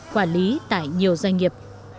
quản lý tại nhiều doanh nghiệp